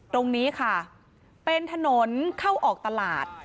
ตรงนี้ค่ะเป็นถนนเข้าออกตลาด